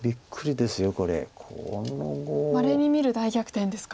まれに見る大逆転ですか。